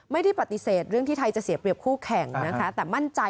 ไม่ได้ปฏิเสธเรื่องที่ไทยจะเสียเปรียบคู่แข่งนะคะแต่มั่นใจ